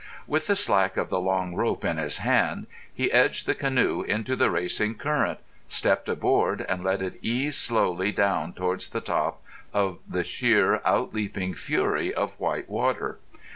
With the slack of the long rope in his hand he edged the canoe into the racing current, stepped aboard, and let it ease slowly down towards the top of the sheer, out leaping fury of white water.